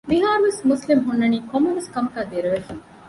މިހާރުވެސް މުސްލިމް ހުންނަނީ ކޮންމެވެސް ކަމަކާއި ދެރަވެފަ